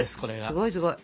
すごいすごい。